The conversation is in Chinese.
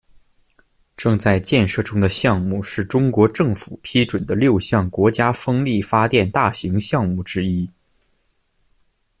正在建设中的项目是中国政府批准的六项国家风力发电大型项目之一。